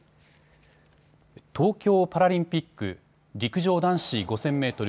東京パラリンピック陸上男子５０００メートル